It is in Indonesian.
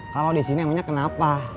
kalau di sini namanya kenapa